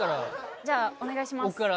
じゃあお願いします